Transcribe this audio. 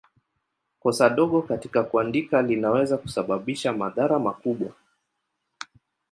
Kosa dogo katika kuandika linaweza kusababisha madhara makubwa.